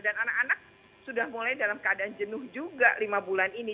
dan anak anak sudah mulai dalam keadaan jenuh juga lima bulan ini